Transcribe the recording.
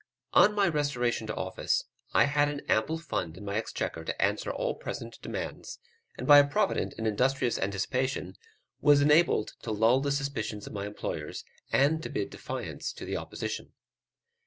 On my restoration to office, I had an ample fund in my exchequer to answer all present demands; and by a provident and industrious anticipation, was enabled to lull the suspicions of my employers, and to bid defiance to the opposition.